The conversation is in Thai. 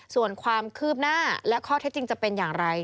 ส่วนความคืบหน้าและข้อเท็จจริงจะเป็นอย่างไร